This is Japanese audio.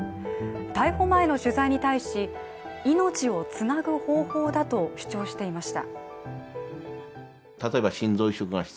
逮捕前の取材に対し命をつなぐ方法だと主張していました。